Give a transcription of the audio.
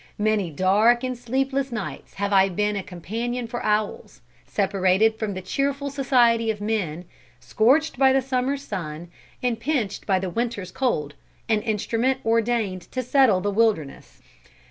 Many dark and sleepless nights have I been a companion for owls, separated from the cheerful society of men, scorched by the summer's sun, and pinched by the winter's cold, an instrument ordained to settle the wilderness."